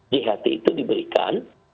jht itu diberikan